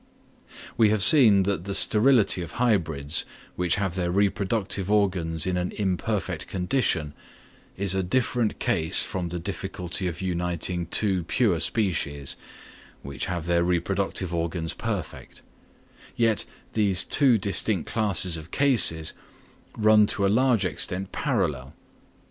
We have seen that the sterility of hybrids which have their reproductive organs in an imperfect condition, is a different case from the difficulty of uniting two pure species, which have their reproductive organs perfect; yet these two distinct classes of cases run to a large extent parallel.